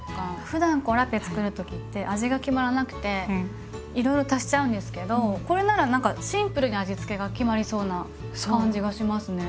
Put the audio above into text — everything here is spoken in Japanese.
ふだんラペつくる時って味が決まらなくて色々足しちゃうんですけどこれなら何かシンプルに味付けが決まりそうな感じがしますね。